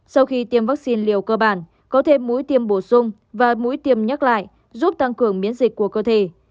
sau khi tiêm vắc xin liều cơ bản có thêm mũi tiêm bổ sung và mũi tiêm nhắc lại giúp tăng cường biến dịch của cơ thể